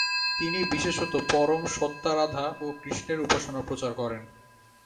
তিনি বিশেষত পরম সত্ত্বা রাধা ও কৃষ্ণের উপাসনা প্রচার করেন।